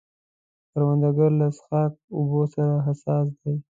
کروندګر له څښاک اوبو سره حساس دی